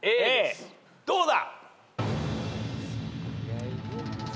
どうだ？